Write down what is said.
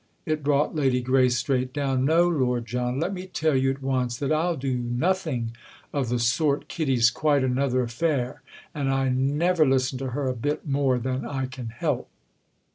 —it brought Lady Grace straight down. "No, Lord John, let me tell you at once that I'll do nothing of the sort Kitty's quite another affair, and I never listen to her a bit more than I can help."